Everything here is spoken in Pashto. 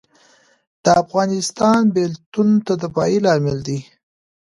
د افغانستان بیلتون د تباهۍ لامل دی